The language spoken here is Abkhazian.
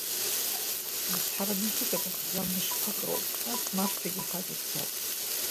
Азҳара митәык аҭахӡам мышқәак роуп, нас Марҭагьы хаҵа дцап.